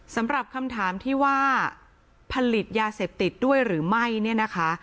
สำหรับคำถามที่ว่าผลิตยาเสพติดด้วยหรือไม่เนี่ยนะคะ